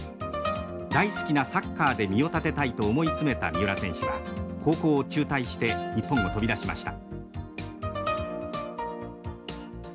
大好きなサッカーで身を立てたいと思い詰めた三浦選手は高校を中退して日本を飛び出しました。